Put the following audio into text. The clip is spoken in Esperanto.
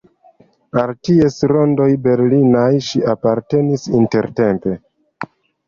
Al ties rondoj berlinaj ŝi apartenis intertempe.